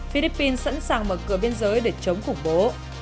philippines sẵn sàng mở cửa biên giới để chống khủng bố